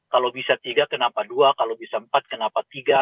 kalau bisa tiga kenapa dua kalau bisa empat kenapa tiga